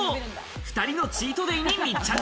２人のチートデイに密着。